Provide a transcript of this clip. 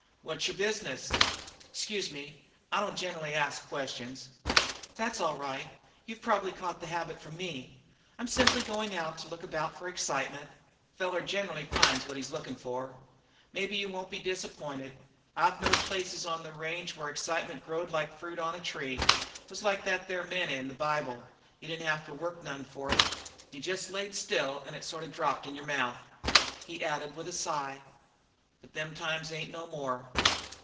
What's your business? Excuse me; I don't generally ask questions." "That's all right. You've probably caught the habit from me. I'm simply going out to look about for excitement." "A feller gener'ly finds what he's lookin' for. Maybe you won't be disappointed. I've knowed places on the range where excitement growed like fruit on a tree. It was like that there manna in the Bible. You didn't have to work none for it. You jest laid still an' it sort of dropped in your mouth." He added with a sigh: "But them times ain't no more."